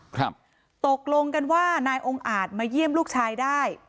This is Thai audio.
ตกลงกันว่านายองค์อาจมาเยี่ยมลูกชายได้